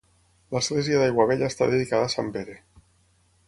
L'església d'Aiguabella està dedicada a sant Pere.